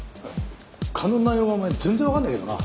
勘の内容がお前全然わかんねえけどな。